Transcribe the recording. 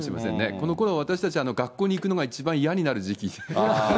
このころ、私たち、学校に行くのが一番嫌になる時期。